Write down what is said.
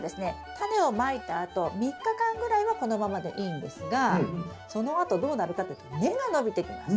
タネをまいたあと３日間ぐらいはこのままでいいんですがそのあとどうなるかというと根が伸びてきます。